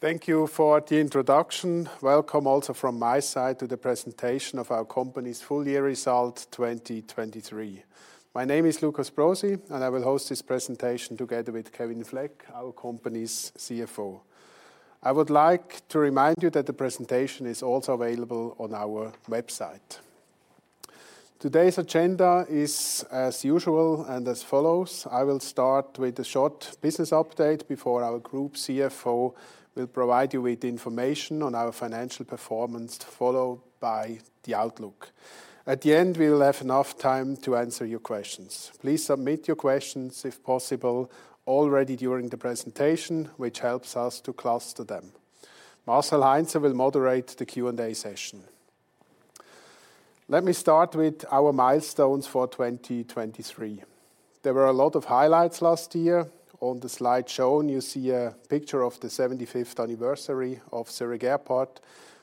Thank you for the introduction. Welcome also from my side to the presentation of our company's full-year results 2023. My name is Lukas Brosi, and I will host this presentation together with Kevin Fleck, our company's CFO. I would like to remind you that the presentation is also available on our website. Today's agenda is as usual and as follows: I will start with a short business update before our group CFO will provide you with information on our financial performance, followed by the outlook. At the end, we will have enough time to answer your questions. Please submit your questions, if possible, already during the presentation, which helps us to cluster them. Marc Heinzer will moderate the Q&A session. Let me start with our milestones for 2023. There were a lot of highlights last year. On the slide shown, you see a picture of the 75th anniversary of Zurich Airport,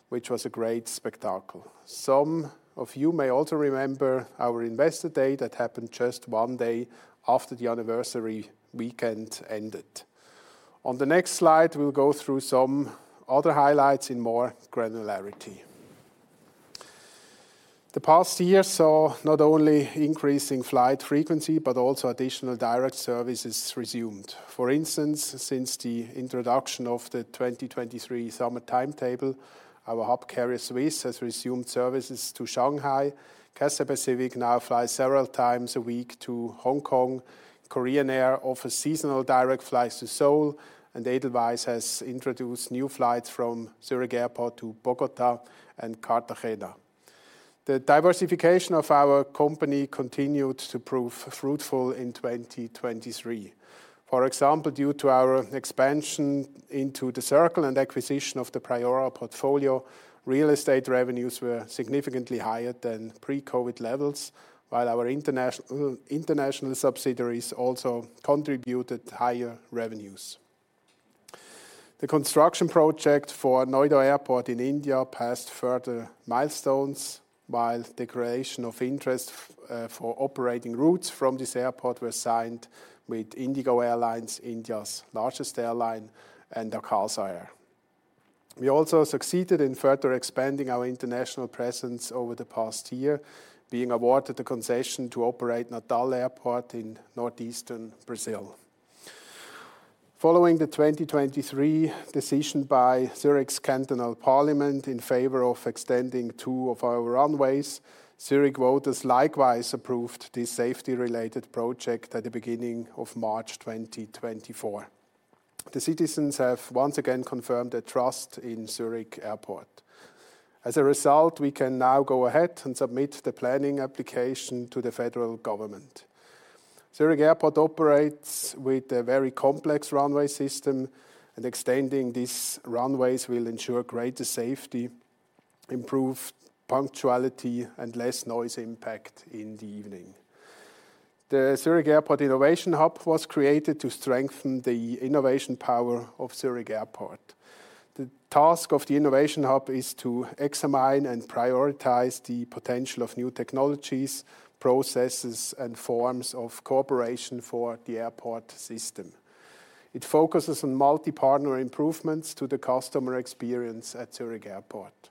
which was a great spectacle. Some of you may also remember our Investor Day that happened just one day after the anniversary weekend ended. On the next slide, we'll go through some other highlights in more granularity. The past year saw not only increasing flight frequency, but also additional direct services resumed. For instance, since the introduction of the 2023 summer timetable, our hub carrier, SWISS, has resumed services to Shanghai. Cathay Pacific now flies several times a week to Hong Kong. Korean Air offers seasonal direct flights to Seoul, and Edelweiss has introduced new flights from Zurich Airport to Bogota and Cartagena. The diversification of our company continued to prove fruitful in 2023. For example, due to our expansion into The Circle and acquisition of the Priora portfolio, real estate revenues were significantly higher than pre-COVID levels, while our international subsidiaries also contributed higher revenues. The construction project for Noida Airport in India passed further milestones, while the letters of intent for operating routes from this airport were signed with IndiGo Airlines, India's largest airline, and Akasa Air. We also succeeded in further expanding our international presence over the past year, being awarded a concession to operate Natal Airport in northeastern Brazil. Following the 2023 decision by Zurich's Cantonal Parliament in favor of extending two of our runways, Zurich voters likewise approved this safety-related project at the beginning of March 2024. The citizens have once again confirmed their trust in Zurich Airport. As a result, we can now go ahead and submit the planning application to the federal government. Zurich Airport operates with a very complex runway system, and extending these runways will ensure greater safety, improved punctuality, and less noise impact in the evening. The Zurich Airport Innovation Hub was created to strengthen the innovation power of Zurich Airport. The task of the innovation hub is to examine and prioritize the potential of new technologies, processes, and forms of cooperation for the airport system. It focuses on multi-partner improvements to the customer experience at Zurich Airport.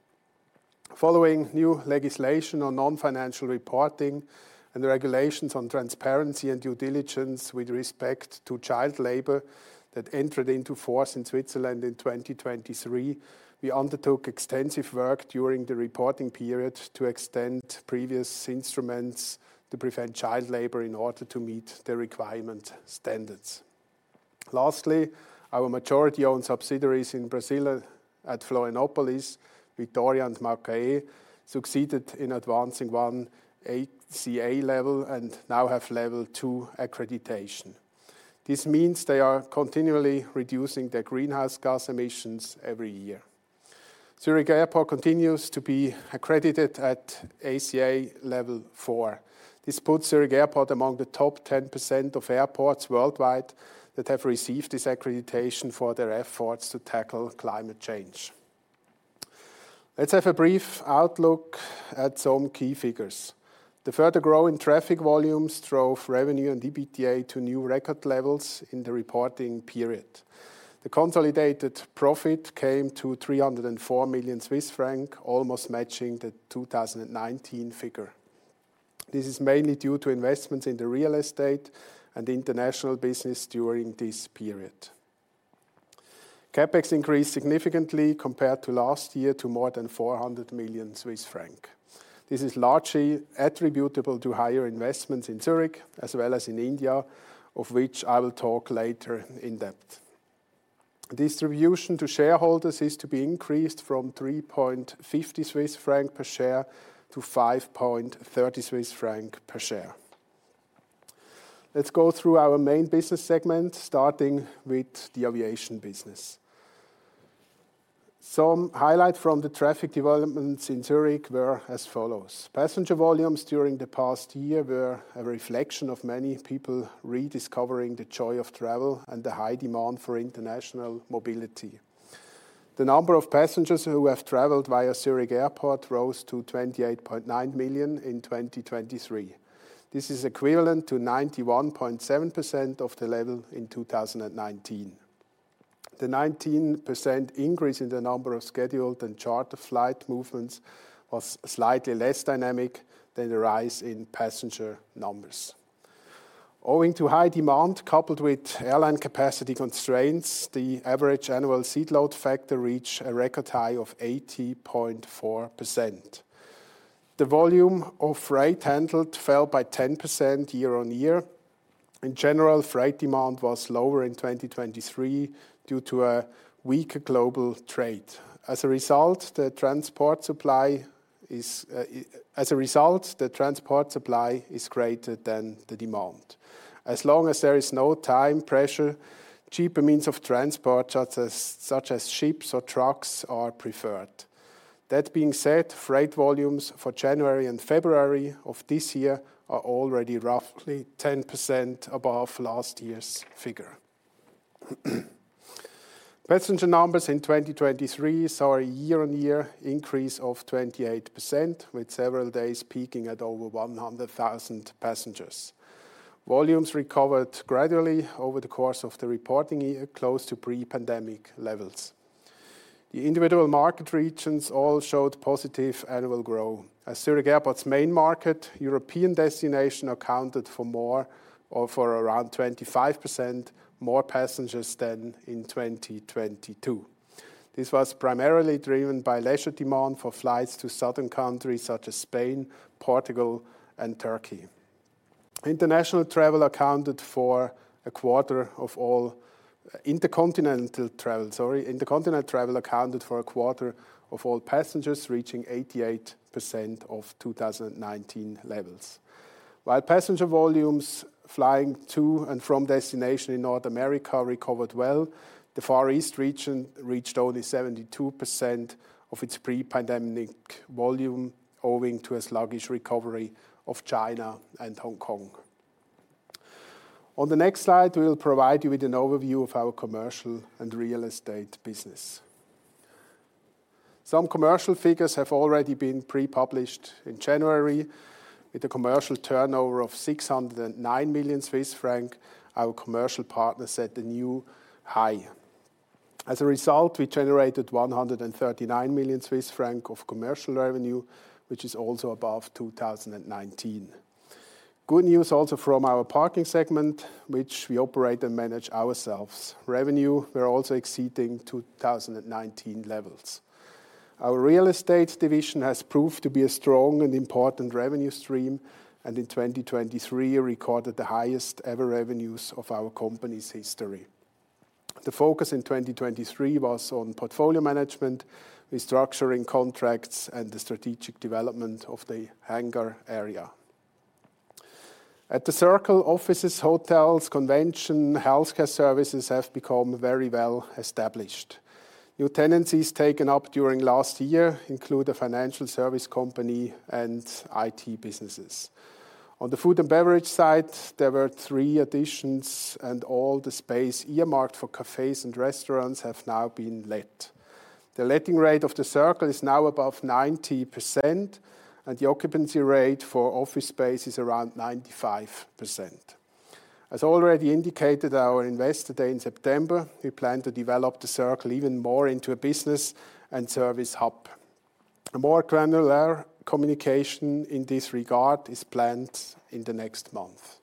Following new legislation on non-financial reporting and the regulations on transparency and due diligence with respect to child labor that entered into force in Switzerland in 2023, we undertook extensive work during the reporting period to extend previous instruments to prevent child labor in order to meet the requirement standards. Lastly, our majority-owned subsidiaries in Brazil at Florianópolis, Vitória and Macaé, succeeded in advancing one ACA level and now have level 2 accreditation. This means they are continually reducing their greenhouse gas emissions every year. Zurich Airport continues to be accredited at ACA level 4. This puts Zurich Airport among the top 10% of airports worldwide that have received this accreditation for their efforts to tackle climate change. Let's have a brief outlook at some key figures. The further growing traffic volumes drove revenue and EBITDA to new record levels in the reporting period. The consolidated profit came to 304 million Swiss francs, almost matching the 2019 figure. This is mainly due to investments in the real estate and international business during this period. CapEx increased significantly compared to last year, to more than 400 million Swiss francs. This is largely attributable to higher investments in Zurich as well as in India, of which I will talk later in depth. Distribution to shareholders is to be increased from 3.50 Swiss franc per share to 5.30 Swiss franc per share. Let's go through our main business segment, starting with the aviation business. Some highlights from the traffic developments in Zurich were as follows: Passenger volumes during the past year were a reflection of many people rediscovering the joy of travel and the high demand for international mobility. The number of passengers who have traveled via Zurich Airport rose to 28.9 million in 2023. This is equivalent to 91.7% of the level in 2019. The 19% increase in the number of scheduled and charter flight movements was slightly less dynamic than the rise in passenger numbers. Owing to high demand, coupled with airline capacity constraints, the average annual seat load factor reached a record high of 80.4%. The volume of freight handled fell by 10% year on year. In general, freight demand was lower in 2023 due to a weaker global trade. As a result, the transport supply is greater than the demand. As long as there is no time pressure, cheaper means of transport such as ships or trucks are preferred. That being said, freight volumes for January and February of this year are already roughly 10% above last year's figure. Passenger numbers in 2023 saw a year-on-year increase of 28%, with several days peaking at over 100,000 passengers. Volumes recovered gradually over the course of the reporting year, close to pre-pandemic levels. The individual market regions all showed positive annual growth. As Zurich Airport's main market, European destination accounted for more or for around 25% more passengers than in 2022. This was primarily driven by leisure demand for flights to southern countries such as Spain, Portugal, and Turkey. International travel accounted for a quarter of all intercontinental travel, sorry. Intercontinental travel accounted for a quarter of all passengers, reaching 88% of 2019 levels. While passenger volumes flying to and from destinations in North America recovered well, the Far East region reached only 72% of its pre-pandemic volume, owing to a sluggish recovery of China and Hong Kong. On the next slide, we will provide you with an overview of our commercial and real estate business. Some commercial figures have already been pre-published in January. With a commercial turnover of 609 million Swiss francs, our commercial partner set a new high. As a result, we generated 139 million Swiss francs of commercial revenue, which is also above 2019. Good news also from our parking segment, which we operate and manage ourselves. Revenue, we are also exceeding 2019 levels. Our real estate division has proved to be a strong and important revenue stream, and in 2023, recorded the highest ever revenues of our company's history. The focus in 2023 was on portfolio management, restructuring contracts, and the strategic development of the hangar area. At The Circle, offices, hotels, convention, healthcare services have become very well established. New tenancies taken up during last year include a financial service company and IT businesses. On the food and beverage side, there were three additions, and all the space earmarked for cafes and restaurants have now been let. The letting rate of The Circle is now above 90%, and the occupancy rate for office space is around 95%. As already indicated, our Investor Day in September, we plan to develop The Circle even more into a business and service hub. A more granular communication in this regard is planned in the next month.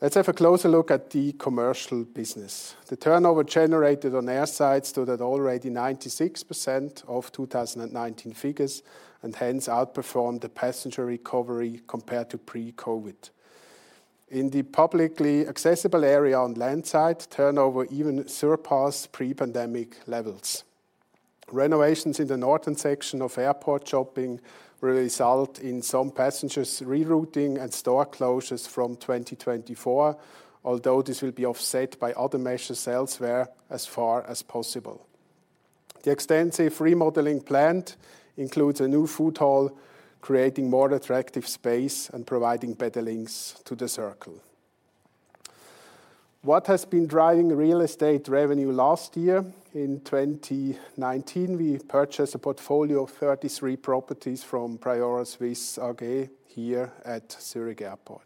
Let's have a closer look at the commercial business. The turnover generated on airside stood at already 96% of 2019 figures, and hence outperformed the passenger recovery compared to pre-COVID. In the publicly accessible area on landside, turnover even surpassed pre-pandemic levels. Renovations in the northern section of airport shopping will result in some passengers rerouting and store closures from 2024, although this will be offset by other measures elsewhere as far as possible. The extensive remodeling plan includes a new food hall, creating more attractive space and providing better links to The Circle. What has been driving real estate revenue last year? In 2019, we purchased a portfolio of 33 properties from Priora Suisse AG here at Zurich Airport.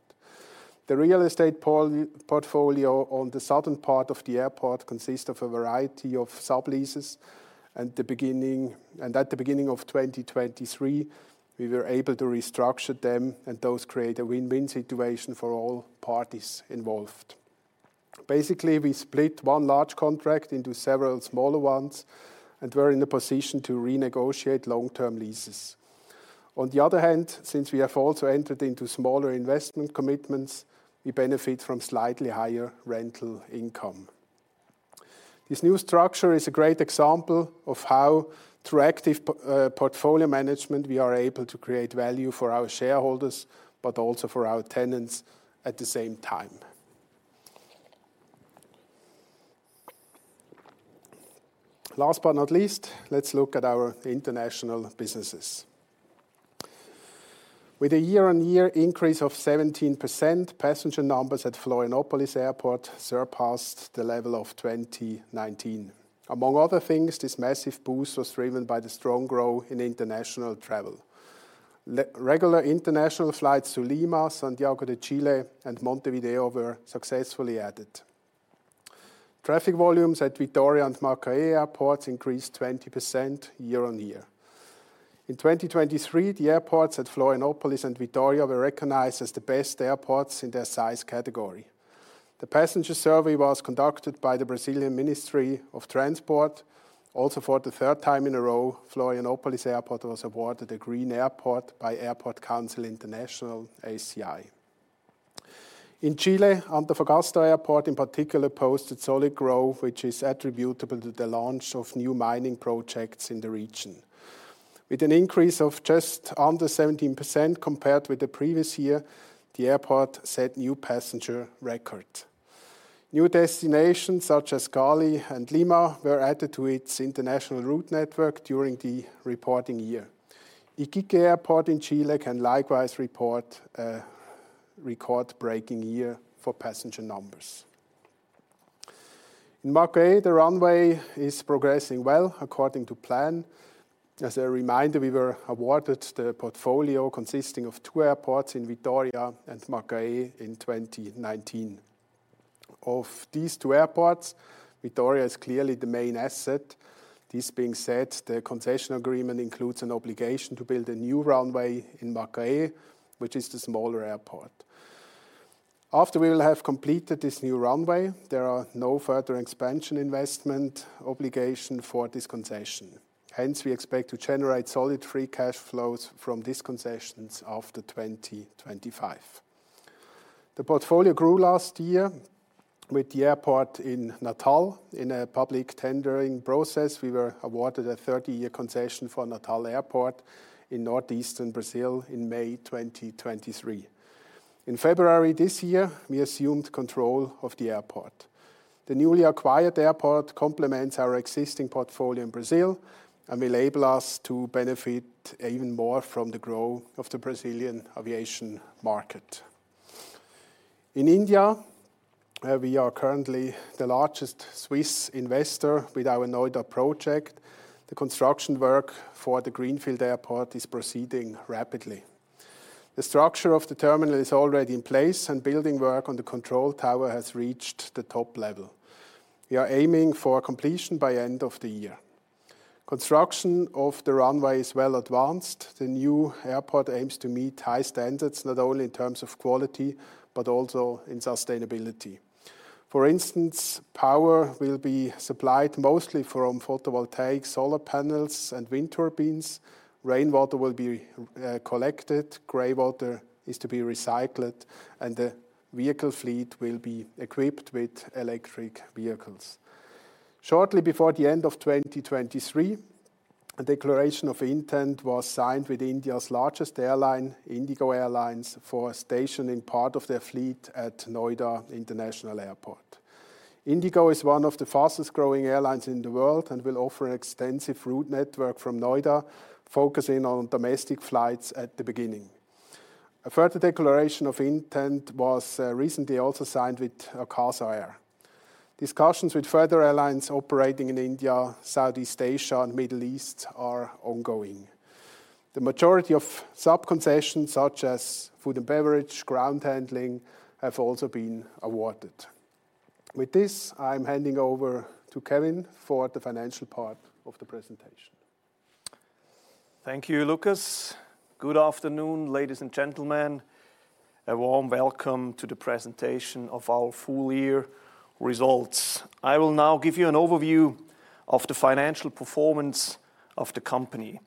The real estate portfolio on the southern part of the airport consists of a variety of subleases, and at the beginning of 2023, we were able to restructure them, and thus create a win-win situation for all parties involved. Basically, we split one large contract into several smaller ones and were in a position to renegotiate long-term leases. On the other hand, since we have also entered into smaller investment commitments, we benefit from slightly higher rental income. This new structure is a great example of how, through active portfolio management, we are able to create value for our shareholders, but also for our tenants at the same time. Last but not least, let's look at our international businesses. With a year-on-year increase of 17%, passenger numbers at Florianópolis Airport surpassed the level of 2019. Among other things, this massive boost was driven by the strong growth in international travel. Regular international flights to Lima, Santiago de Chile, and Montevideo were successfully added. Traffic volumes at Vitória and Macaé airports increased 20% year-on-year. In 2023, the airports at Florianópolis and Vitória were recognized as the best airports in their size category. The passenger survey was conducted by the Brazilian Ministry of Transport. Also, for the third time in a row, Florianópolis Airport was awarded a green airport by Airport Council International, ACI. In Chile, Antofagasta Airport, in particular, posted solid growth, which is attributable to the launch of new mining projects in the region. With an increase of just under 17% compared with the previous year, the airport set new passenger record. New destinations, such as Cali and Lima, were added to its international route network during the reporting year. Iquique Airport in Chile can likewise report a record-breaking year for passenger numbers. In Macaé, the runway is progressing well, according to plan. As a reminder, we were awarded the portfolio consisting of two airports in Vitória and Macaé in 2019. Of these two airports, Vitória is clearly the main asset. This being said, the concession agreement includes an obligation to build a new runway in Macaé, which is the smaller airport. After we will have completed this new runway, there are no further expansion investment obligation for this concession. Hence, we expect to generate solid free cash flows from these concessions after 2025. The portfolio grew last year with the airport in Natal. In a public tendering process, we were awarded a 30-year concession for Natal Airport in northeastern Brazil in May 2023. In February this year, we assumed control of the airport. The newly acquired airport complements our existing portfolio in Brazil and will enable us to benefit even more from the growth of the Brazilian aviation market. In India, we are currently the largest Swiss investor with our Noida project. The construction work for the Greenfield Airport is proceeding rapidly. The structure of the terminal is already in place, and building work on the control tower has reached the top level. We are aiming for completion by end of the year. Construction of the runway is well advanced. The new airport aims to meet high standards, not only in terms of quality, but also in sustainability. For instance, power will be supplied mostly from photovoltaic solar panels and wind turbines, rainwater will be collected, graywater is to be recycled, and the vehicle fleet will be equipped with electric vehicles. Shortly before the end of 2023, a declaration of intent was signed with India's largest airline, IndiGo Airlines, for stationing part of their fleet at Noida International Airport. IndiGo is one of the fastest growing airlines in the world and will offer an extensive route network from Noida, focusing on domestic flights at the beginning. A further declaration of intent was recently also signed with Akasa Air. Discussions with further airlines operating in India, Southeast Asia, and Middle East are ongoing. The majority of sub-concessions, such as food and beverage, ground handling, have also been awarded. With this, I'm handing over to Kevin for the financial part of the presentation. Thank you, Lukas. Good afternoon, ladies and gentlemen. A warm welcome to the presentation of our full year results. I will now give you an overview of the financial performance of the company.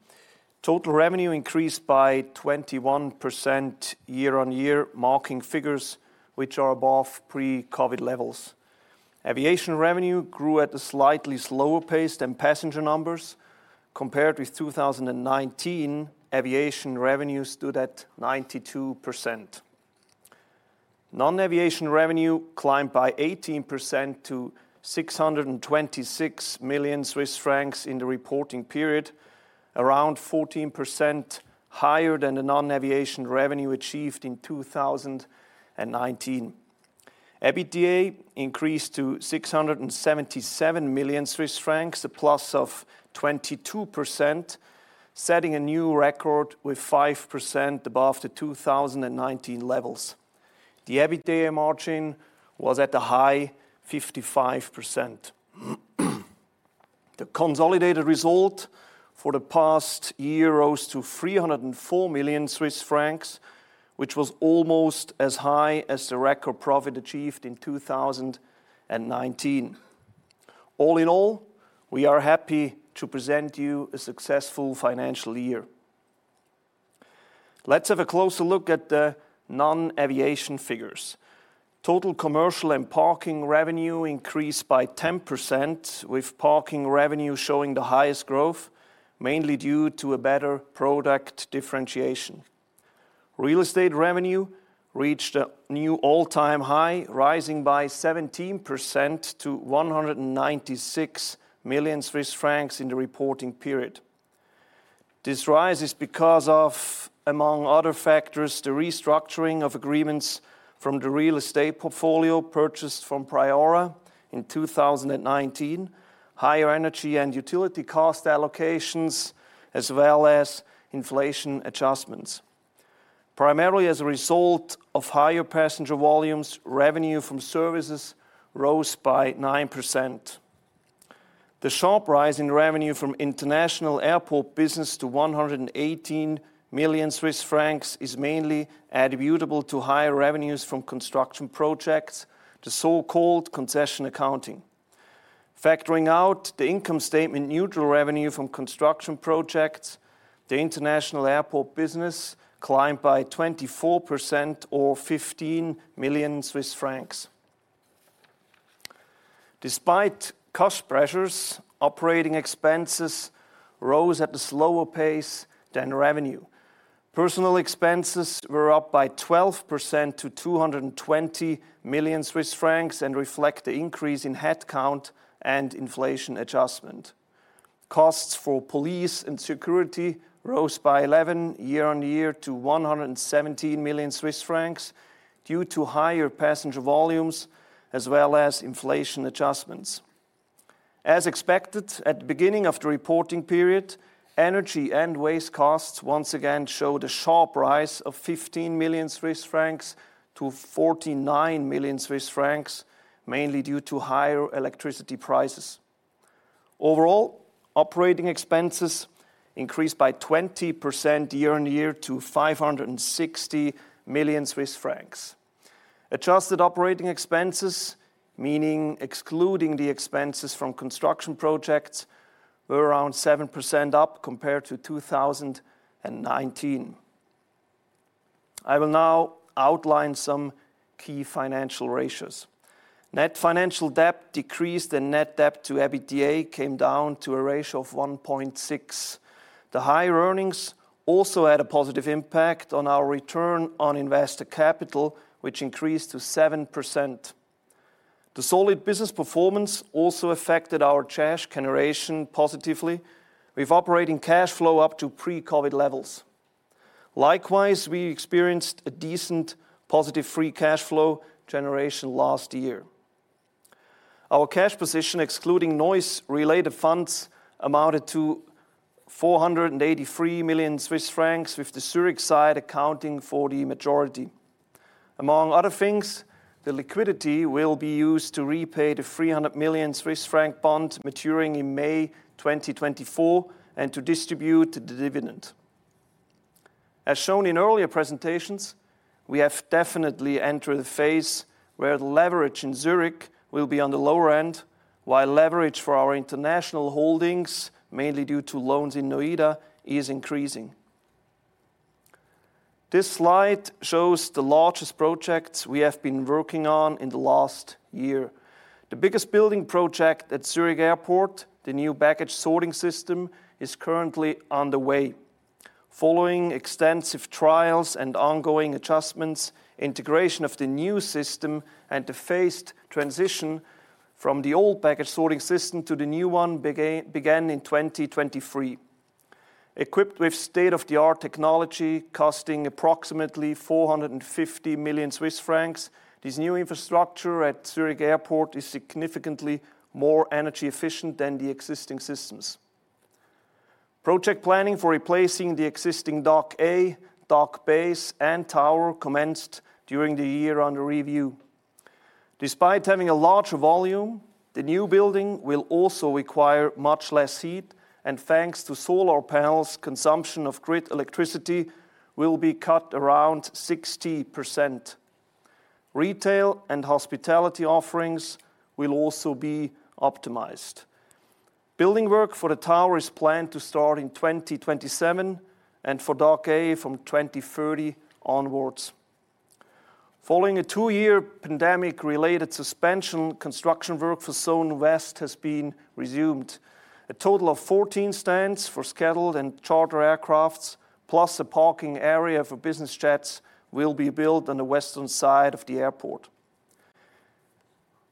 Total revenue increased by 21% year-over-year, marking figures which are above pre-COVID levels. Aviation revenue grew at a slightly slower pace than passenger numbers. Compared with 2019, aviation revenue stood at 92%. Non-aviation revenue climbed by 18% to 626 million Swiss francs in the reporting period, around 14% higher than the non-aviation revenue achieved in 2019. EBITDA increased to 677 million Swiss francs, a plus of 22%, setting a new record with 5% above the 2019 levels. The EBITDA margin was at a high 55%. The consolidated result for the past year rose to 304 million Swiss francs, which was almost as high as the record profit achieved in 2019. All in all, we are happy to present you a successful financial year. Let's have a closer look at the non-aviation figures. Total commercial and parking revenue increased by 10%, with parking revenue showing the highest growth, mainly due to a better product differentiation. Real estate revenue reached a new all-time high, rising by 17% to 196 million Swiss francs in the reporting period. This rise is because of, among other factors, the restructuring of agreements from the real estate portfolio purchased from Priora in 2019, higher energy and utility cost allocations, as well as inflation adjustments. Primarily as a result of higher passenger volumes, revenue from services rose by 9%. The sharp rise in revenue from international airport business to 118 million Swiss francs is mainly attributable to higher revenues from construction projects, to so-called concession accounting. Factoring out the income-statement-neutral revenue from construction projects, the international airport business climbed by 24% or CHF 15 million. Despite cost pressures, operating expenses rose at a slower pace than revenue. Personnel expenses were up by 12% to 220 million Swiss francs, and reflect the increase in headcount and inflation adjustment. Costs for police and security rose by 11% year-on-year to 117 million Swiss francs, due to higher passenger volumes as well as inflation adjustments. As expected, at the beginning of the reporting period, energy and waste costs once again showed a sharp rise of 15 million Swiss francs to 49 million Swiss francs, mainly due to higher electricity prices. Overall, operating expenses increased by 20% year on year to 560 million Swiss francs. Adjusted operating expenses, meaning excluding the expenses from construction projects, were around 7% up compared to 2019. I will now outline some key financial ratios. Net financial debt decreased, and net debt to EBITDA came down to a ratio of 1.6. The higher earnings also had a positive impact on our return on investor capital, which increased to 7%. The solid business performance also affected our cash generation positively, with operating cash flow up to pre-COVID levels. Likewise, we experienced a decent positive free cash flow generation last year. Our cash position, excluding noise-related funds, amounted to 483 million Swiss francs, with the Zurich side accounting for the majority. Among other things, the liquidity will be used to repay the 300 million Swiss franc bond maturing in May 2024, and to distribute the dividend. As shown in earlier presentations, we have definitely entered the phase where the leverage in Zurich will be on the lower end, while leverage for our international holdings, mainly due to loans in Noida, is increasing. This slide shows the largest projects we have been working on in the last year. The biggest building project at Zurich Airport, the new baggage sorting system, is currently underway. Following extensive trials and ongoing adjustments, integration of the new system and the phased transition from the old baggage sorting system to the new one began in 2023. Equipped with state-of-the-art technology costing approximately 450 million Swiss francs, this new infrastructure at Zurich Airport is significantly more energy efficient than the existing systems. Project planning for replacing the existing Dock A, Dock B, and tower commenced during the year under review. Despite having a larger volume, the new building will also require much less heat, and thanks to solar panels, consumption of grid electricity will be cut around 60%. Retail and hospitality offerings will also be optimized. Building work for the tower is planned to start in 2027, and for Dock A from 2030 onwards. Following a two year pandemic-related suspension, construction work for Zone West has been resumed. A total of 14 stands for scheduled and charter aircrafts, plus a parking area for business jets, will be built on the western side of the airport.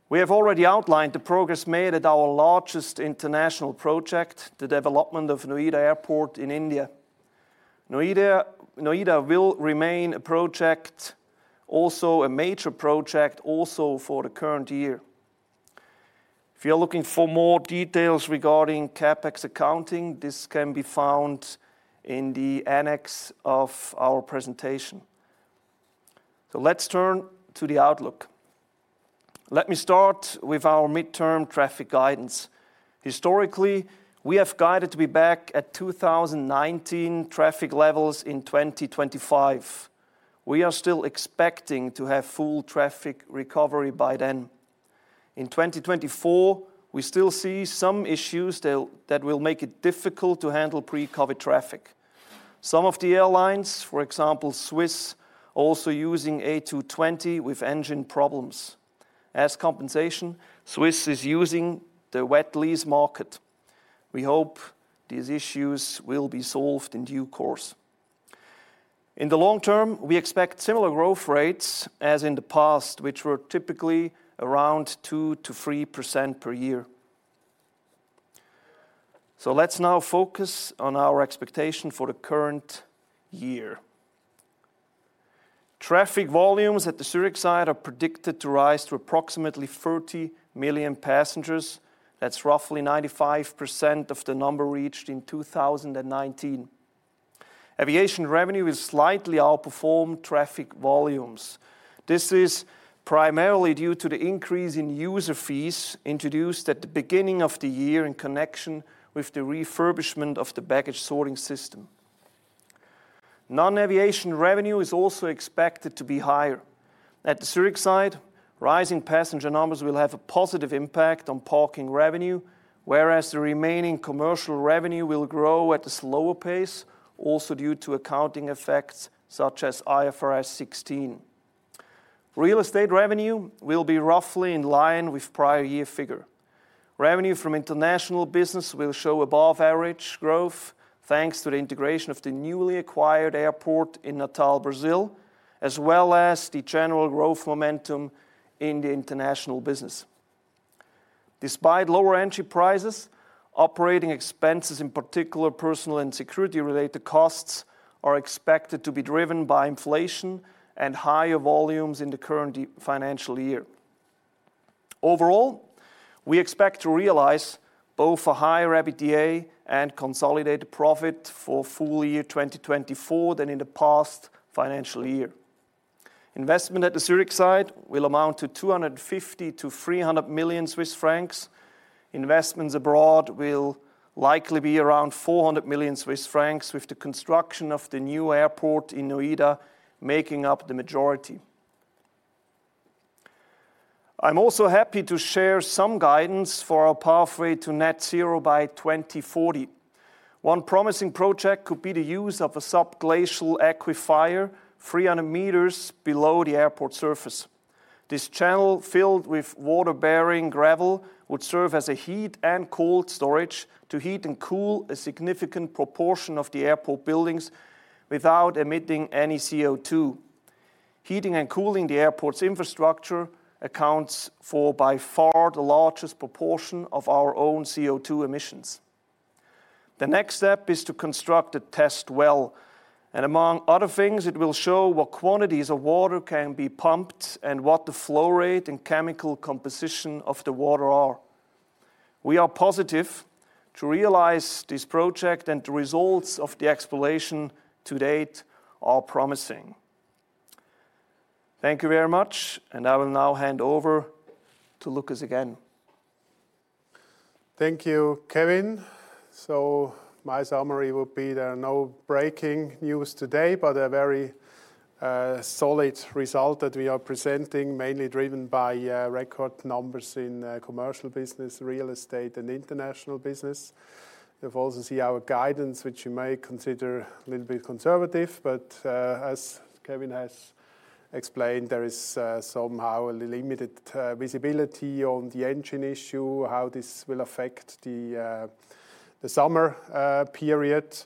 We have already outlined the progress made at our largest international project, the development of Noida Airport in India. Noida will remain a project, also a major project, also for the current year. If you're looking for more details regarding CapEx accounting, this can be found in the annex of our presentation. So let's turn to the outlook. Let me start with our midterm traffic guidance. Historically, we have guided to be back at 2019 traffic levels in 2025. We are still expecting to have full traffic recovery by then. In 2024, we still see some issues that will make it difficult to handle pre-COVID traffic. Some of the airlines, for example, SWISS, also using A220 with engine problems. As compensation, SWISS is using the wet lease market. We hope these issues will be solved in due course. In the long term, we expect similar growth rates as in the past, which were typically around 2% to 3% per year. So let's now focus on our expectation for the current year. Traffic volumes at the Zurich side are predicted to rise to approximately 30 million passengers. That's roughly 95% of the number reached in 2019. Aviation revenue will slightly outperform traffic volumes. This is primarily due to the increase in user fees introduced at the beginning of the year in connection with the refurbishment of the baggage sorting system. Non-aviation revenue is also expected to be higher. At the Zurich side, rising passenger numbers will have a positive impact on parking revenue, whereas the remaining commercial revenue will grow at a slower pace, also due to accounting effects such as IFRS 16. Real estate revenue will be roughly in line with prior year figure. Revenue from international business will show above average growth, thanks to the integration of the newly acquired airport in Natal, Brazil, as well as the general growth momentum in the international business. Despite lower entry prices, operating expenses, in particular personnel and security-related costs, are expected to be driven by inflation and higher volumes in the current financial year. Overall, we expect to realize both a higher EBITDA and consolidated profit for full year 2024 than in the past financial year. Investment at the Zurich site will amount to 250 million to 300 million Swiss francs. Investments abroad will likely be around 400 million Swiss francs, with the construction of the new airport in Noida making up the majority. I'm also happy to share some guidance for our pathway to Net Zero by 2040. One promising project could be the use of a subglacial aquifer 300 meters below the airport surface. This channel, filled with water-bearing gravel, would serve as a heat and cold storage to heat and cool a significant proportion of the airport buildings without emitting any CO2. Heating and cooling the airport's infrastructure accounts for by far the largest proportion of our own CO2 emissions. The next step is to construct a test well, and among other things, it will show what quantities of water can be pumped and what the flow rate and chemical composition of the water are. We are positive to realize this project, and the results of the exploration to date are promising. Thank you very much, and I will now hand over to Lukas again. Thank you, Kevin. So my summary would be there are no breaking news today, but a very solid result that we are presenting, mainly driven by record numbers in commercial business, real estate, and international business. You've also seen our guidance, which you may consider a little bit conservative, but as Kevin has explained, there is somehow a limited visibility on the engine issue, how this will affect the summer period.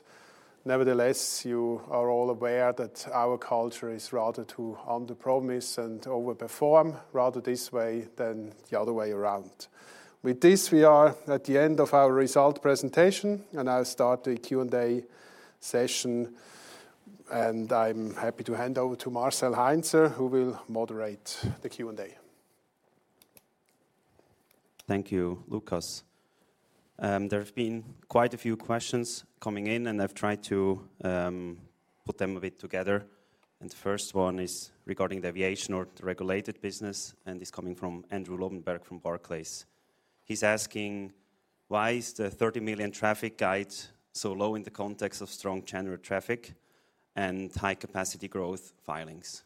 Nevertheless, you are all aware that our culture is rather to underpromise and overperform, rather this way than the other way around. With this, we are at the end of our result presentation, and I'll start the Q&A session, and I'm happy to hand over to Marc Heinzer, who will moderate the Q&A. Thank you, Lukas. There have been quite a few questions coming in, and I've tried to put them a bit together, and the first one is regarding the aviation or the regulated business and is coming from Andrew Lobbenberg from Barclays. He's asking: Why is the 30 million traffic guide so low in the context of strong general traffic and high capacity growth filings?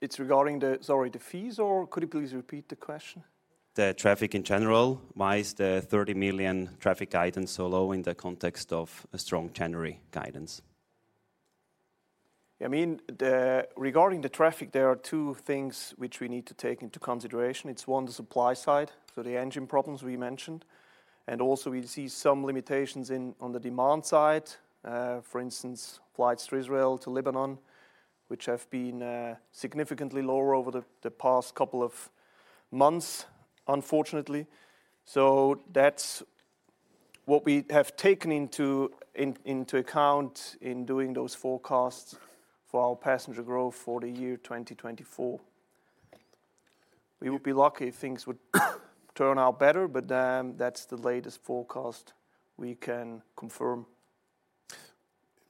It's regarding the... Sorry, the fees, or could you please repeat the question? The traffic in general. Why is the 30 million traffic guidance so low in the context of a strong January guidance? I mean, regarding the traffic, there are two things which we need to take into consideration. It's, one, the supply side, so the engine problems we mentioned, and also we see some limitations on the demand side. For instance, flights to Israel, to LEVAnon, which have been significantly lower over the past couple of months, unfortunately. So that's what we have taken into account in doing those forecasts for our passenger growth for the year 2024. We would be lucky if things would turn out better, but that's the latest forecast we can confirm.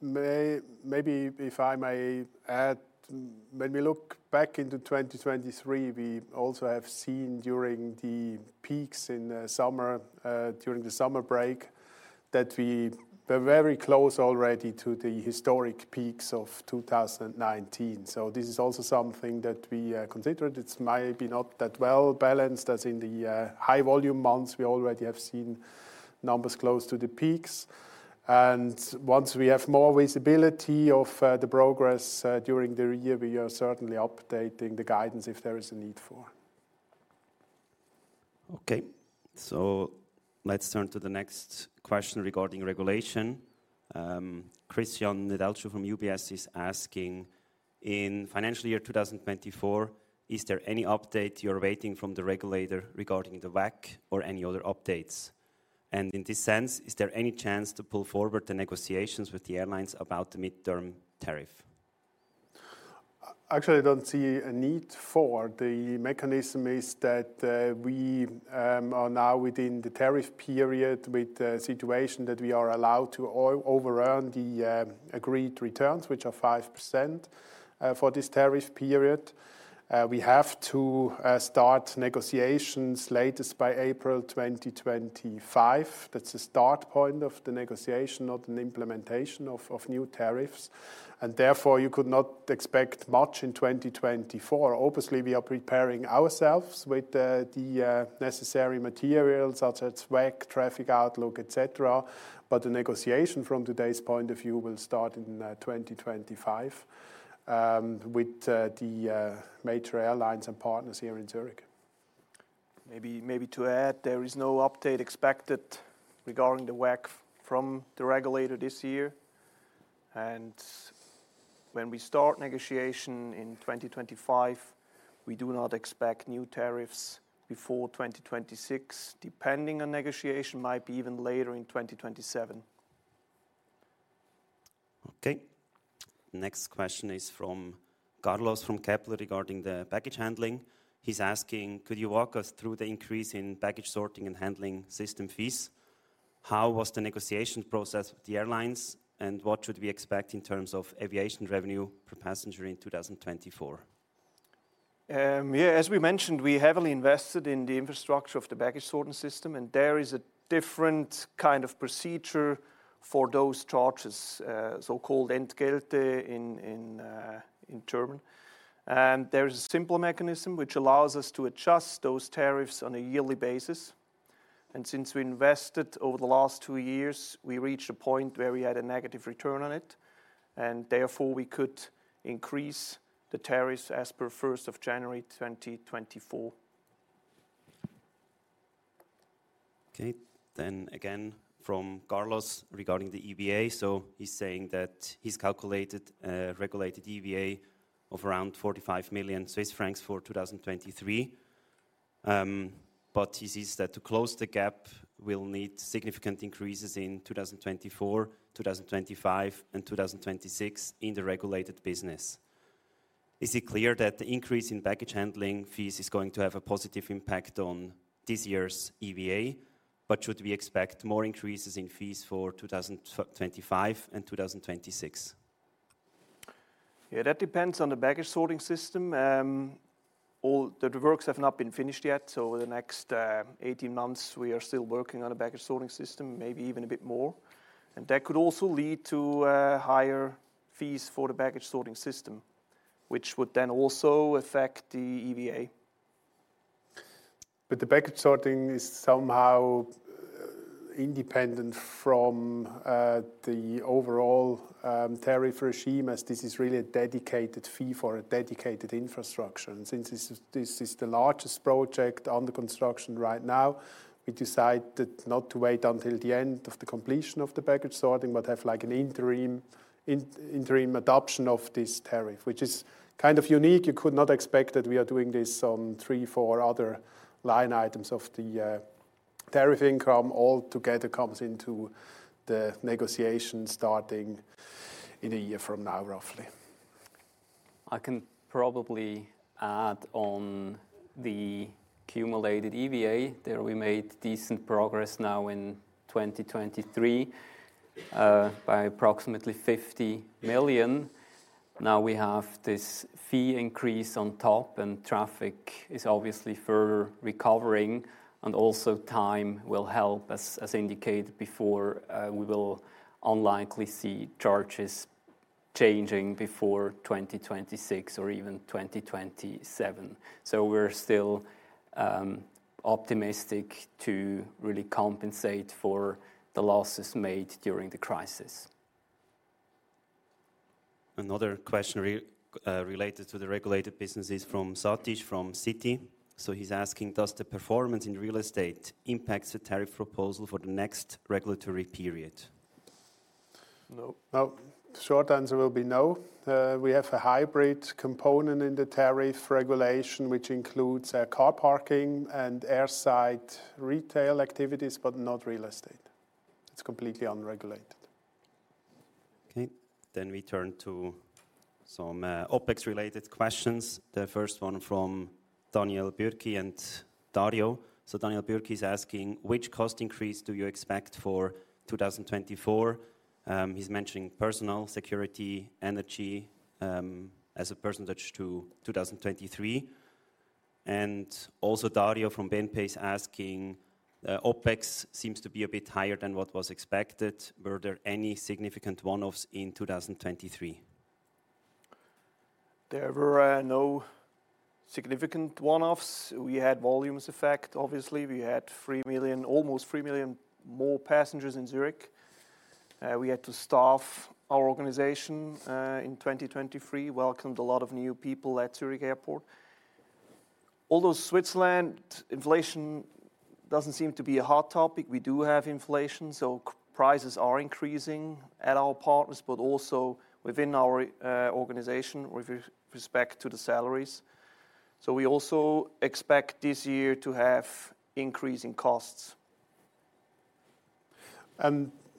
Maybe if I may add, when we look back into 2023, we also have seen during the peaks in the summer, during the summer break, that we were very close already to the historic peaks of 2019. So this is also something that we considered. It's maybe not that well balanced as in the high volume months, we already have seen numbers close to the peaks. And once we have more visibility of the progress during the year, we are certainly updating the guidance if there is a need for. Okay, so let's turn to the next question regarding regulation. Cristian Nedelcu from UBS is asking: in financial year 2024, is there any update you're waiting from the regulator regarding the WACC or any other updates? And in this sense, is there any chance to pull forward the negotiations with the airlines about the midterm tariff? Actually, I don't see a need for. The mechanism is that we are now within the tariff period with a situation that we are allowed to over earn the agreed returns, which are 5%, for this tariff period. We have to start negotiations latest by April 2025. That's the start point of the negotiation, not an implementation of new tariffs, and therefore, you could not expect much in 2024. Obviously, we are preparing ourselves with the necessary materials, such as WACC, traffic outlook, et cetera, but the negotiation from today's point of view will start in 2025, with the major airlines and partners here in Zurich. Maybe, maybe to add, there is no update expected regarding the WACC from the regulator this year, and when we start negotiation in 2025, we do not expect new tariffs before 2026. Depending on negotiation, might be even later in 2027. Okay. Next question is from Carlos, from Kepler, regarding the baggage handling. He's asking: Could you walk us through the increase in baggage sorting and handling system fees? How was the negotiation process with the airlines, and what should we expect in terms of aviation revenue per passenger in 2024? Yeah, as we mentioned, we heavily invested in the infrastructure of the baggage sorting system, and there is a different kind of procedure for those charges, so-called Entgelte in German. There is a simple mechanism which allows us to adjust those tariffs on a yearly basis, and since we invested over the last two years, we reached a point where we had a negative return on it, and therefore, we could increase the tariffs as per January 1, 2024. Okay. Then again, from Carlos regarding the EVA. So he's saying that he's calculated a regulated EVA of around 45 million Swiss francs for 2023. But he sees that to close the gap, we'll need significant increases in 2024, 2025, and 2026 in the regulated business. Is it clear that the increase in baggage handling fees is going to have a positive impact on this year's EVA? But should we expect more increases in fees for 2025 and 2026? Yeah, that depends on the baggage sorting system. All the works have not been finished yet, so over the next 18 months, we are still working on the baggage sorting system, maybe even a bit more. And that could also lead to higher fees for the baggage sorting system, which would then also affect the EVA. But the baggage sorting is somehow independent from the overall tariff regime, as this is really a dedicated fee for a dedicated infrastructure. And since this is the largest project under construction right now, we decided not to wait until the end of the completion of the baggage sorting, but have like an interim adoption of this tariff, which is kind of unique. You could not expect that we are doing this on three, four other line items of the tariff income. All together, comes into the negotiation starting in a year from now, roughly. I can probably add on the cumulated EVA, there we made decent progress now in 2023, by approximately 50 million. Now, we have this fee increase on top, and traffic is obviously further recovering, and also time will help. As, as indicated before, we will unlikely see charges changing before 2026 or even 2027. So we're still, optimistic to really compensate for the losses made during the crisis. Another question related to the regulated business is from Satish, from Citi. So he's asking: Does the performance in real estate impact the tariff proposal for the next regulatory period? No. No, short answer will be no. We have a hybrid component in the tariff regulation, which includes, car parking and airside retail activities, but not real estate. It's completely unregulated. Okay, then we turn to some OpEx related questions. The first one from Daniel Bürki and Dario. So Daniel Bürki is asking: Which cost increase do you expect for 2024? He's mentioning personnel, security, energy, as a percentage to 2023. And also, Dario from BNP Paribas is asking: OpEx seems to be a bit higher than what was expected. Were there any significant one-offs in 2023? There were no significant one-offs. We had volumes effect, obviously. We had 3 million, almost 3 million more passengers in Zurich. We had to staff our organization in 2023, welcomed a lot of new people at Zurich Airport. Although Switzerland inflation doesn't seem to be a hot topic, we do have inflation, so prices are increasing at our partners, but also within our organization with respect to the salaries. So we also expect this year to have increasing costs.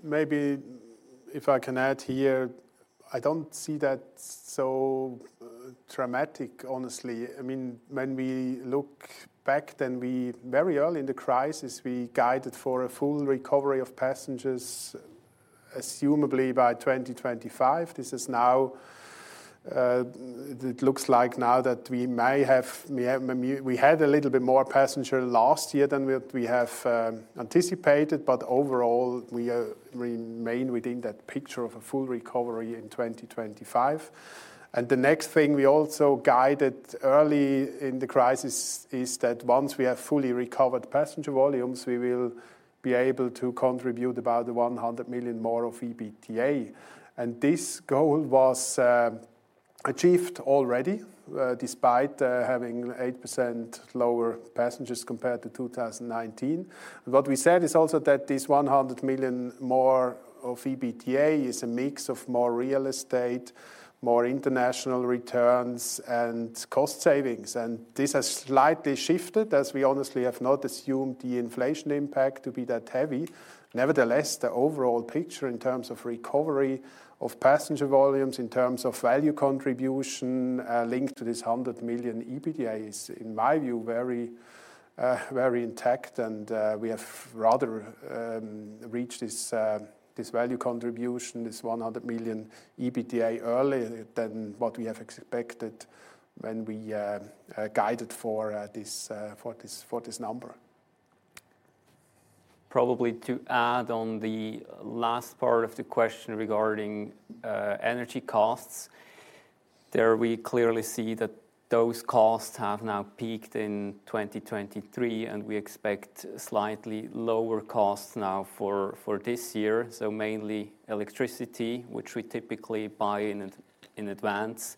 Maybe if I can add here, I don't see that so dramatic, honestly. I mean, when we look back, then very early in the crisis, we guided for a full recovery of passengers, presumably by 2025. This is now, it looks like now that we had a little bit more passenger last year than we have anticipated, but overall, we remain within that picture of a full recovery in 2025. And the next thing we also guided early in the crisis is that once we have fully recovered passenger volumes, we will be able to contribute about 100 million more of EBITDA. And this goal was achieved already, despite having 8% lower passengers compared to 2019. What we said is also that this 100 million more of EBITDA is a mix of more real estate, more international returns, and cost savings, and this has slightly shifted, as we honestly have not assumed the inflation impact to be that heavy. Nevertheless, the overall picture in terms of recovery of passenger volumes, in terms of value contribution linked to this 100 million EBITDA is, in my view, very very intact and we have rather reached this value contribution, this 100 million EBITDA earlier than what we have expected when we guided for this number. Probably to add on the last part of the question regarding energy costs, there we clearly see that those costs have now peaked in 2023, and we expect slightly lower costs now for this year. So mainly electricity, which we typically buy in advance.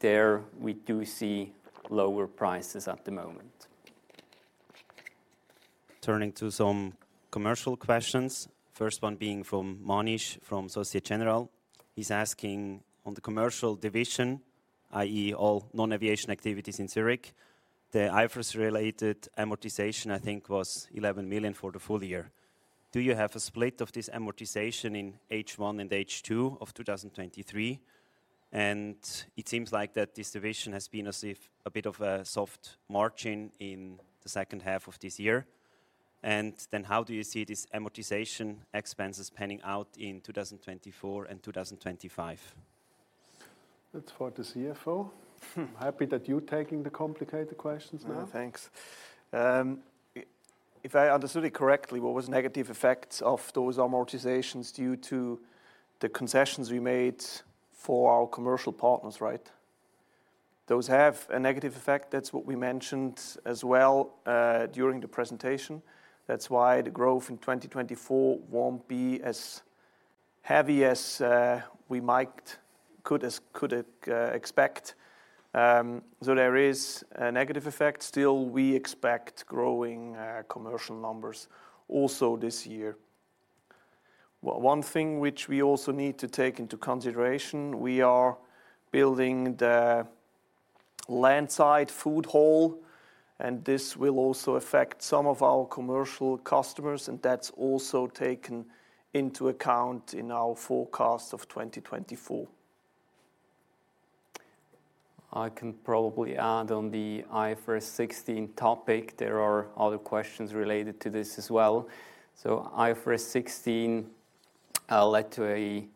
There, we do see lower prices at the moment. Turning to some commercial questions, first one being from Manish, from Société Générale. He's asking: on the commercial division, i.e., all non-aviation activities in Zurich, the IFRS-related amortization, I think, was 11 million for the full year. Do you have a split of this amortization in H1 and H2 of 2023? And it seems like that this division has been as if a bit of a soft margin in the second half of this year. And then how do you see this amortization expenses panning out in 2024 and 2025? That's for the CFO. I'm happy that you're taking the complicated questions now. Thanks. If I understood it correctly, what was negative effects of those amortizations due to the concessions we made for our commercial partners, right? Those have a negative effect. That's what we mentioned as well during the presentation. That's why the growth in 2024 won't be as heavy as we might could expect. So there is a negative effect. Still, we expect growing commercial numbers also this year. One thing which we also need to take into consideration, we are building the landside food hall, and this will also affect some of our commercial customers, and that's also taken into account in our forecast of 2024. I can probably add on the IFRS 16 topic. There are other questions related to this as well. So IFRS 16 led to a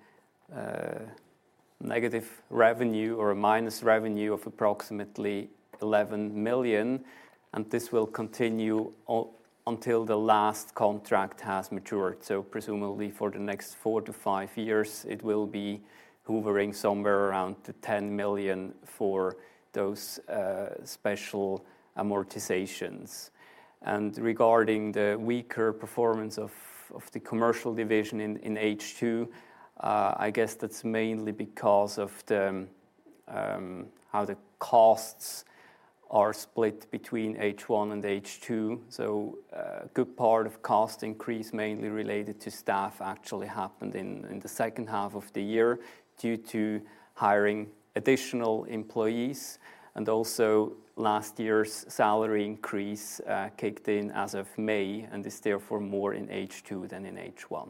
negative revenue or a minus revenue of approximately 11 million, and this will continue until the last contract has matured. So presumably for the next 4 to 5 years, it will be hovering somewhere around the 10 million for those special amortizations. And regarding the weaker performance of the commercial division in H2, I guess that's mainly because of how the costs are split between H1 and H2. So a good part of cost increase, mainly related to staff, actually happened in the second half of the year due to hiring additional employees, and also last year's salary increase kicked in as of May and is therefore more in H2 than in H1.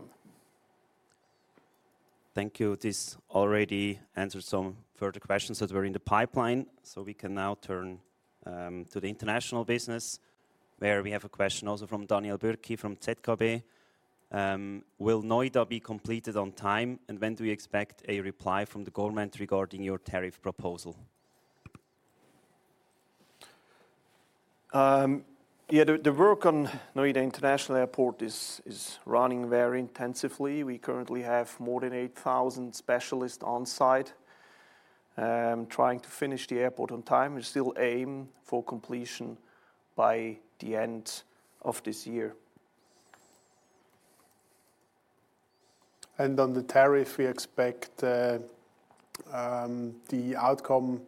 Thank you. This already answered some further questions that were in the pipeline, so we can now turn to the international business, where we have a question also from Daniel Bürki, from ZKB. Will Noida be completed on time, and when do we expect a reply from the government regarding your tariff proposal? Yeah, the work on Noida International Airport is running very intensively. We currently have more than 8,000 specialists on site, trying to finish the airport on time. We still aim for completion by the end of this year.... and on the tariff, we expect the outcome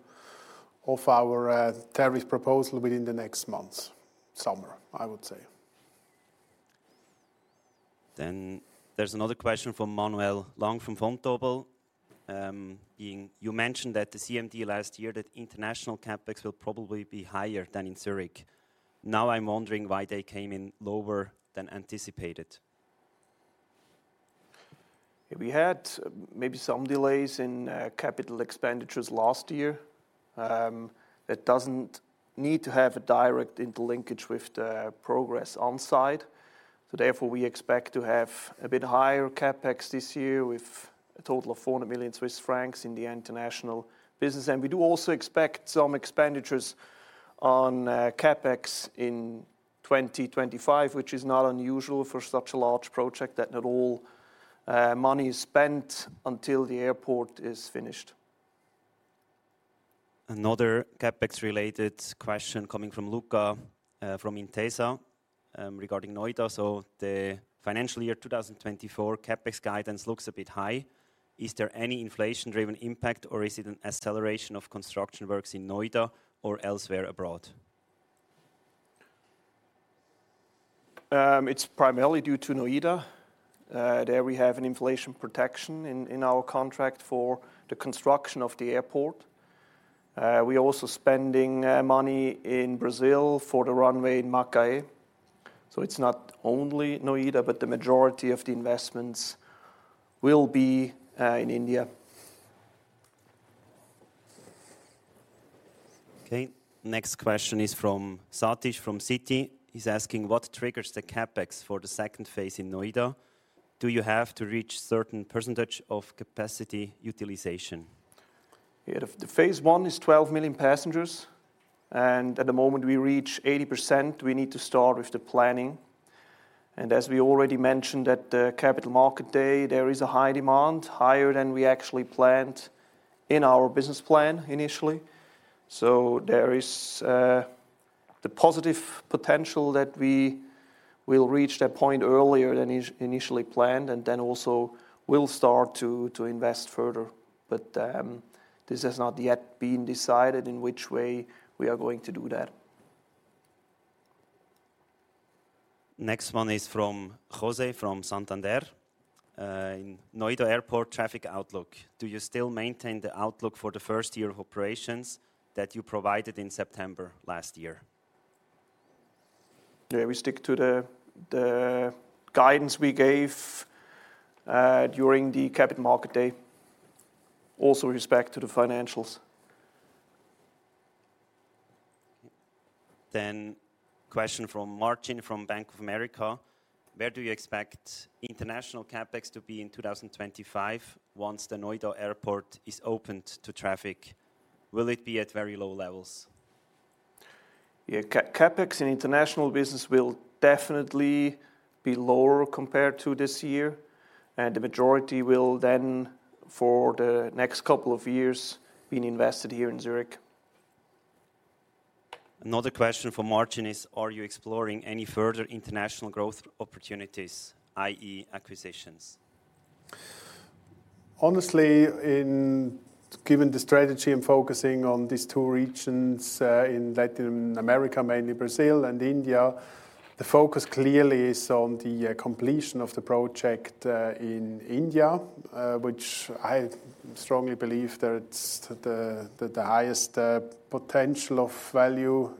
of our tariff proposal within the next months. Summer, I would say. Then there's another question from Manuel Lang, from Vontobel. You mentioned that the CMD last year, that international CapEx will probably be higher than in Zurich. Now, I'm wondering why they came in lower than anticipated. We had maybe some delays in capital expenditures last year. That doesn't need to have a direct interlinkage with the progress on site. So therefore, we expect to have a bit higher CapEx this year, with a total of 400 million Swiss francs in the international business. And we do also expect some expenditures on CapEx in 2025, which is not unusual for such a large project, that not all money is spent until the airport is finished. Another CapEx-related question coming from Luca, from Intesa, regarding Noida. So the financial year 2024 CapEx guidance looks a bit high. Is there any inflation-driven impact, or is it an acceleration of construction works in Noida or elsewhere abroad? It's primarily due to Noida. There we have an inflation protection in our contract for the construction of the airport. We're also spending money in Brazil for the runway in Macaé. So it's not only Noida, but the majority of the investments will be in India. Okay, next question is from Satish, from Citi. He's asking: What triggers the CapEx for the second phase in Noida? Do you have to reach certain percentage of capacity utilization? Yeah. The Phase I is 12 million passengers, and at the moment we reach 80%, we need to start with the planning. And as we already mentioned at the Capital Market Day, there is a high demand, higher than we actually planned in our business plan initially. So there is the positive potential that we will reach that point earlier than initially planned, and then also we'll start to invest further. But this has not yet been decided in which way we are going to do that. Next one is from José, from Santander. In Noida airport traffic outlook, do you still maintain the outlook for the first year of operations that you provided in September last year? Yeah, we stick to the guidance we gave during the Capital Market Day. Also with respect to the financials. Question from Marcin, from Bank of America: Where do you expect international CapEx to be in 2025, once the Noida airport is opened to traffic? Will it be at very low levels? Yeah. CapEx in international business will definitely be lower compared to this year, and the majority will then, for the next couple of years, be invested here in Zurich. Another question from Martin is: Are you exploring any further international growth opportunities, i.e., acquisitions? Honestly, given the strategy and focusing on these two regions in Latin America, mainly Brazil and India, the focus clearly is on the completion of the project in India, which I strongly believe that it's the highest potential of value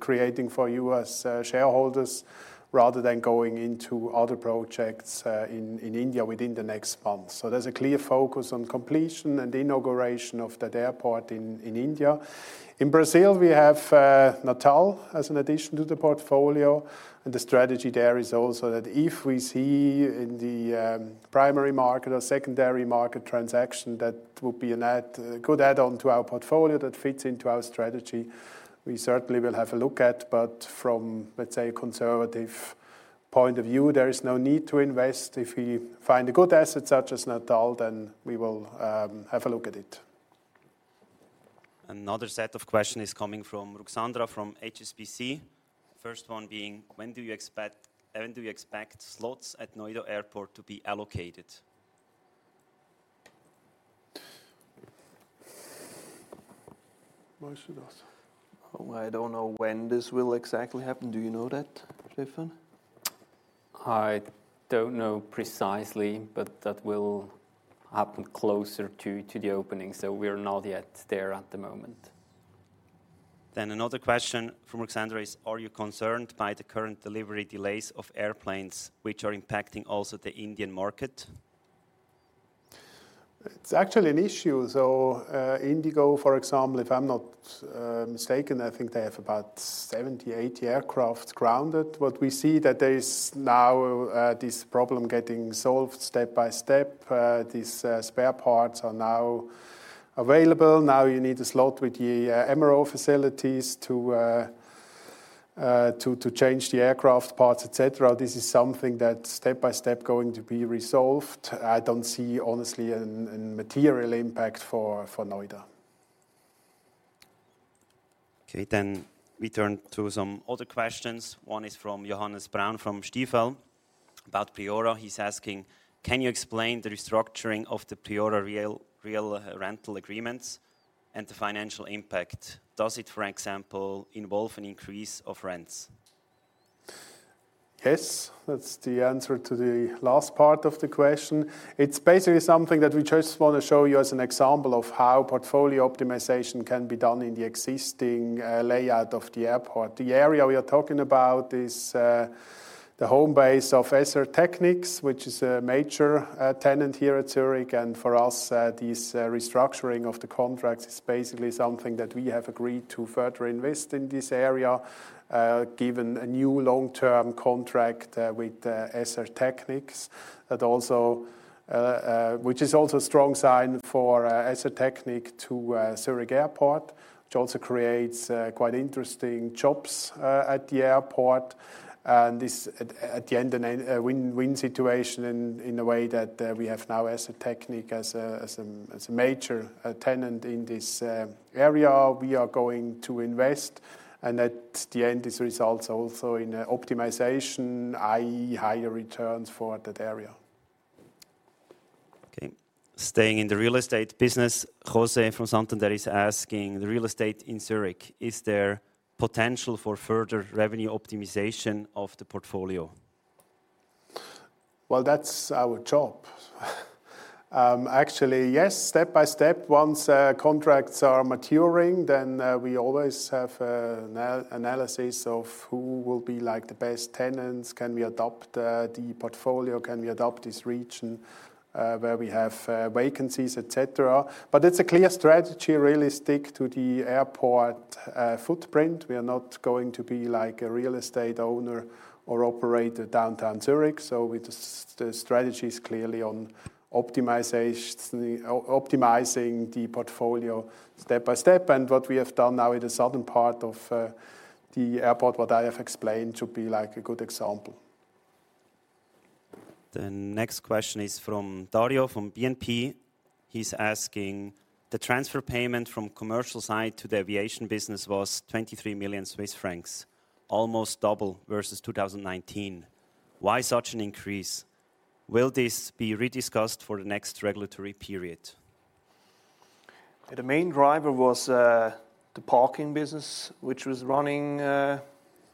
creating for you as shareholders, rather than going into other projects in India within the next months. So there's a clear focus on completion and inauguration of that airport in India. In Brazil, we have Natal as an addition to the portfolio, and the strategy there is also that if we see in the primary market or secondary market transaction that would be a good add-on to our portfolio that fits into our strategy, we certainly will have a look at. But from, let's say, a conservative point of view, there is no need to invest. If we find a good asset, such as Natal, then we will have a look at it. Another set of question is coming from Ruxandra, from HSBC. First one being: When do you expect, when do you expect slots at Noida Airport to be allocated? I don't know when this will exactly happen. Do you know that, Stefan? I don't know precisely, but that will happen closer to the opening, so we are not yet there at the moment. Another question from Ruxandra is: Are you concerned by the current delivery delays of airplanes, which are impacting also the Indian market? It's actually an issue, so, IndiGo, for example, if I'm not mistaken, I think they have about 70-80 aircraft grounded. What we see that there is now this problem getting solved step by step. These spare parts are now available. Now you need a slot with the MRO facilities to change the aircraft parts, et cetera. This is something that step by step going to be resolved. I don't see, honestly, an material impact for Noida. Okay, then we turn to some other questions. One is from Johannes Braun, from Stifel, about Priora. He's asking: Can you explain the restructuring of the Priora real rental agreements and the financial impact? Does it, for example, involve an increase of rents? Yes, that's the answer to the last part of the question. It's basically something that we just wanna show you as an example of how portfolio optimization can be done in the existing layout of the airport. The area we are talking about is the home base of SR Technics, which is a major tenant here at Zurich. And for us, this restructuring of the contracts is basically something that we have agreed to further invest in this area, given a new long-term contract with SR Technics. That also, which is also a strong sign for SR Technics to Zurich Airport, which also creates quite interesting jobs at the airport. This at the end, a win-win situation in a way that we have now SR Technics as a major tenant in this area. We are going to invest, and at the end, this results also in optimization, i.e., higher returns for that area. Okay. Staying in the real estate business, Jose from Santander is asking: the real estate in Zurich, is there potential for further revenue optimization of the portfolio? Well, that's our job. Actually, yes, step by step. Once contracts are maturing, then we always have an analysis of who will be, like, the best tenants. Can we adopt the portfolio? Can we adopt this region where we have vacancies, et cetera? But it's a clear strategy, really stick to the airport footprint. We are not going to be like a real estate owner or operator downtown Zurich, so the strategy is clearly on optimizing the portfolio step by step. What we have done now in the southern part of the airport, what I have explained to be like a good example. The next question is from Dario, from BNP. He's asking: the transfer payment from commercial side to the aviation business was 23 million Swiss francs, almost double versus 2019. Why such an increase? Will this be rediscussed for the next regulatory period? The main driver was the parking business, which was running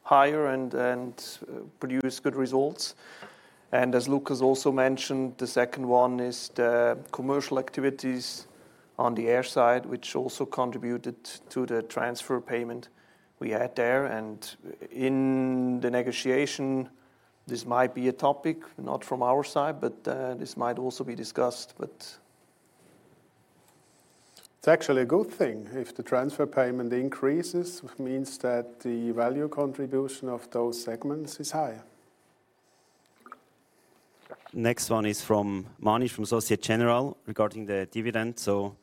higher and produced good results. As Lukas also mentioned, the second one is the commercial activities on the air side, which also contributed to the transfer payment we had there. In the negotiation, this might be a topic, not from our side, but this might also be discussed, but It's actually a good thing. If the transfer payment increases, it means that the value contribution of those segments is higher. Next one is from Manish, from Société Générale, regarding the dividend. So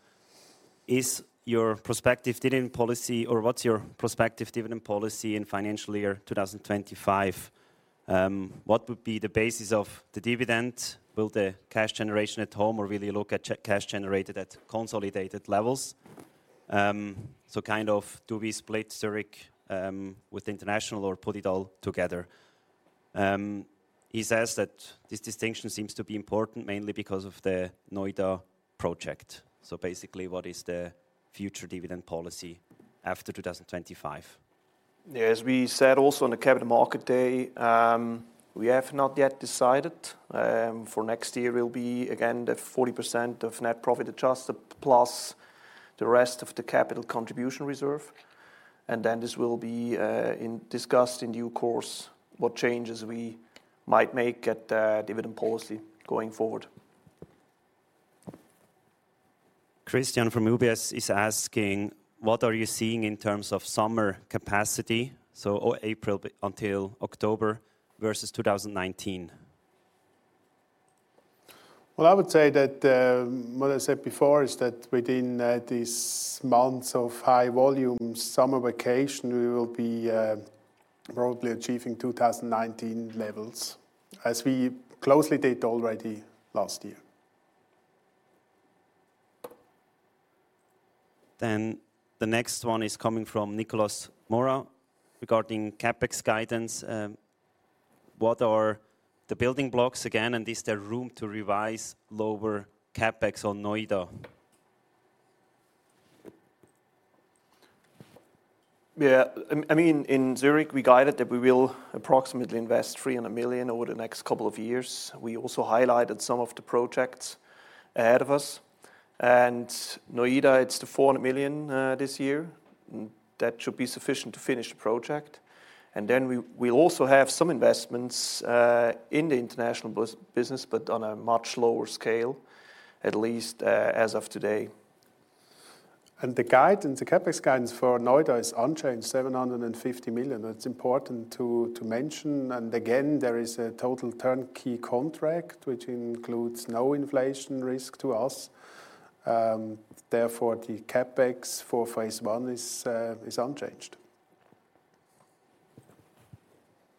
is your prospective dividend policy or what's your prospective dividend policy in financial year 2025? What would be the basis of the dividend? Will the cash generation at home or will you look at cash generated at consolidated levels? So kind of do we split Zurich with international or put it all together? He says that this distinction seems to be important, mainly because of the Noida project. So basically, what is the future dividend policy after 2025? As we said, also on the Capital Market Day, we have not yet decided. For next year, it will be again that 40% of net profit adjusted, plus the rest of the capital contribution reserve, and then this will be discussed in due course, what changes we might make at the dividend policy going forward. Christian from UBS is asking: What are you seeing in terms of summer capacity, so for April until October, versus 2019? Well, I would say that what I said before is that within these months of high volume summer vacation, we will be probably achieving 2019 levels, as we closely did already last year. Then the next one is coming from Nicolas Mora regarding CapEx guidance. What are the building blocks again, and is there room to revise lower CapEx on Noida? Yeah, I mean, in Zurich, we guided that we will approximately invest 300 million over the next couple of years. We also highlighted some of the projects ahead of us. Noida, it's 400 million this year, and that should be sufficient to finish the project. Then we also have some investments in the international business, but on a much lower scale, at least as of today. The guidance, the CapEx guidance for Noida is unchanged, 750 million. It's important to mention, and again, there is a total turnkey contract, which includes no inflation risk to us. Therefore, the CapEx for phase one is unchanged.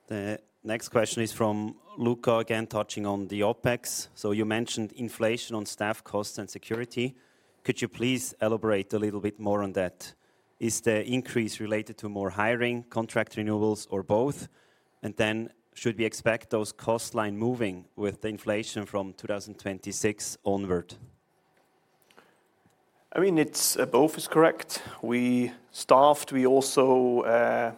The next question is from Luca, again, touching on the OpEx. So you mentioned inflation on staff costs and security. Could you please elaborate a little bit more on that? Is the increase related to more hiring, contract renewals, or both? And then should we expect those cost line moving with inflation from 2026 onward? I mean, it's both is correct. We staffed, we also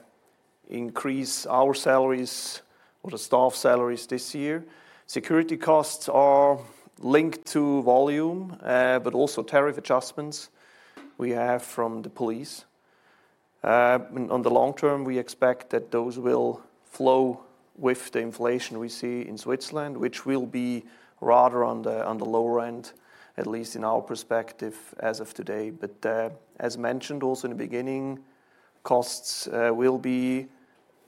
increase our salaries or the staff salaries this year. Security costs are linked to volume, but also tariff adjustments we have from the police. On the long term, we expect that those will flow with the inflation we see in Switzerland, which will be rather on the lower end, at least in our perspective, as of today. But, as mentioned also in the beginning, costs will be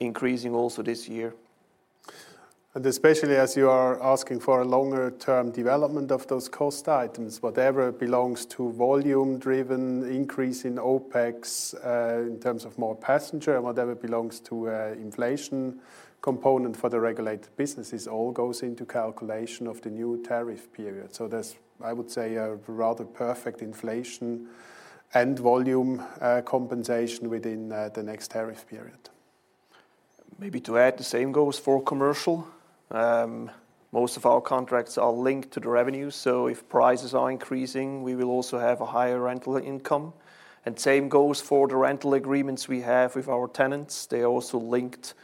increasing also this year. Especially as you are asking for a longer-term development of those cost items, whatever belongs to volume-driven increase in OpEx, in terms of more passenger and whatever belongs to, inflation component for the regulated businesses, all goes into calculation of the new tariff period. There's, I would say, a rather perfect inflation and volume, compensation within, the next tariff period. Maybe to add, the same goes for commercial. Most of our contracts are linked to the revenue, so if prices are increasing, we will also have a higher rental income. And same goes for the rental agreements we have with our tenants. They are also linked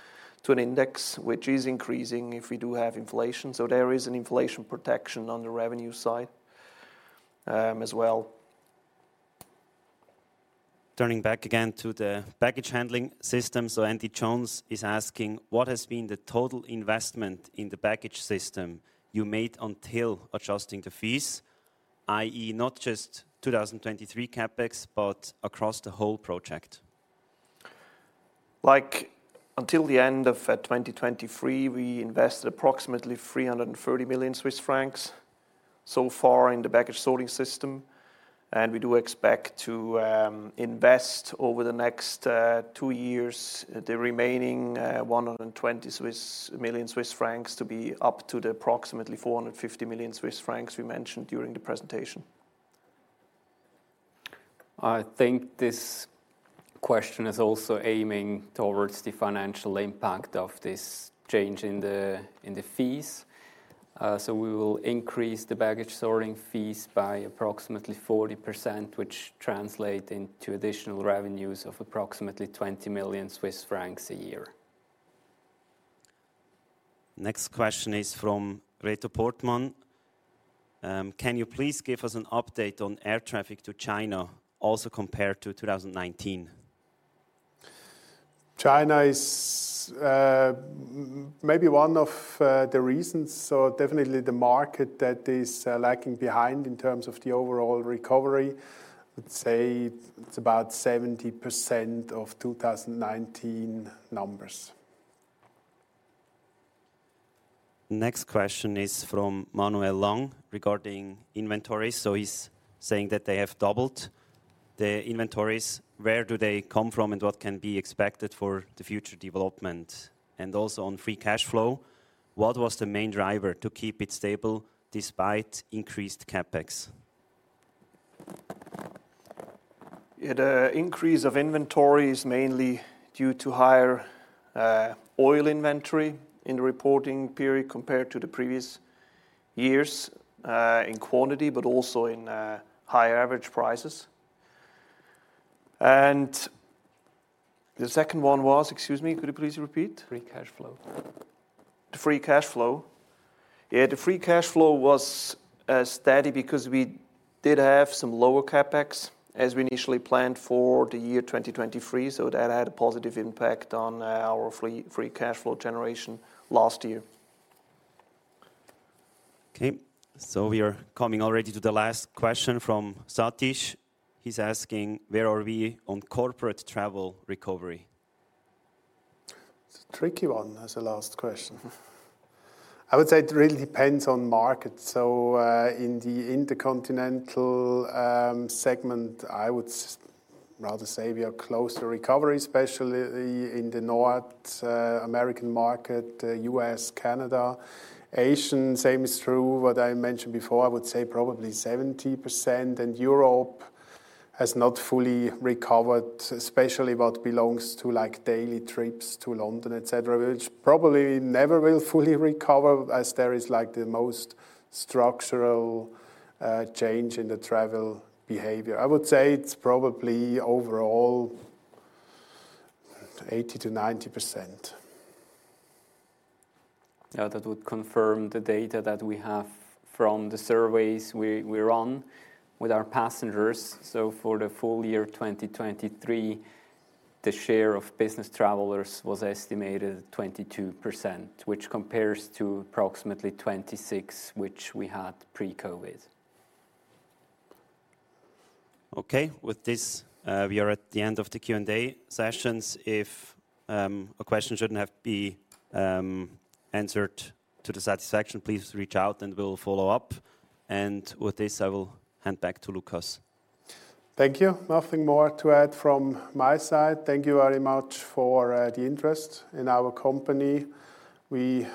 to an index, which is increasing if we do have inflation. So there is an inflation protection on the revenue side, as well. Turning back again to the baggage handling system. So Andy Jones is asking: What has been the total investment in the baggage system you made until adjusting the fees, i.e., not just 2023 CapEx, but across the whole project? Like, until the end of 2023, we invested approximately 330 million Swiss francs so far in the baggage sorting system, and we do expect to invest over the next 2 years, the remaining 120 million Swiss francs to be up to the approximately 450 million Swiss francs we mentioned during the presentation. I think this question is also aiming towards the financial impact of this change in the fees. So we will increase the baggage sorting fees by approximately 40%, which translate into additional revenues of approximately 20 million Swiss francs a year. Next question is from Reto Portmann. Can you please give us an update on air traffic to China, also compared to 2019? China is maybe one of the reasons, so definitely the market that is lagging behind in terms of the overall recovery. I'd say it's about 70% of 2019 numbers. Next question is from Manuel Lang, regarding inventory. So he's saying that they have doubled the inventories. Where do they come from, and what can be expected for the future development? And also on free cash flow, what was the main driver to keep it stable despite increased CapEx? Yeah, the increase of inventory is mainly due to higher oil inventory in the reporting period, compared to the previous years, in quantity, but also in high average prices. And the second one was? Excuse me, could you please repeat? Free cash flow. The free cash flow. Yeah, the free cash flow was steady because we did have some lower CapEx, as we initially planned for the year 2023, so that had a positive impact on our free cash flow generation last year. Okay, so we are coming already to the last question from Satish. He's asking: Where are we on corporate travel recovery? It's a tricky one as a last question. I would say it really depends on market. So, in the intercontinental segment, I would rather say we are close to recovery, especially in the North American market, U.S., Canada. Asian, same is true. What I mentioned before, I would say probably 70%, and Europe has not fully recovered, especially what belongs to, like, daily trips to London, et cetera, which probably never will fully recover as there is, like, the most structural change in the travel behavior. I would say it's probably overall 80% to 90%. Yeah, that would confirm the data that we have from the surveys we run with our passengers. So for the full year 2023, the share of business travelers was estimated 22%, which compares to approximately 26%, which we had pre-COVID. Okay, with this, we are at the end of the Q&A sessions. If a question shouldn't have been answered to the satisfaction, please reach out, and we'll follow up. With this, I will hand back to Lukas. Thank you. Nothing more to add from my side. Thank you very much for the interest in our company. We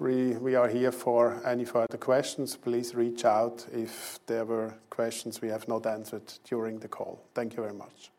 are here for any further questions. Please reach out if there were questions we have not answered during the call. Thank you very much.